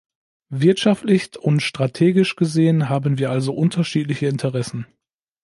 Wirtschaftlich und strategisch gesehen haben wir also unterschiedliche Interessen.